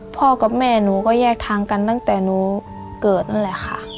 พ่อกับแม่หนูก็แยกทางกันตั้งแต่หนูเกิดนั่นแหละค่ะ